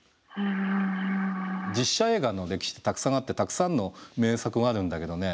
実写映画の歴史ってたくさんあってたくさんの名作があるんだけどね